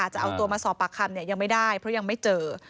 จะเอาตัวมาสอบปากคำยังไม่ได้เพราะยังไม่เจอ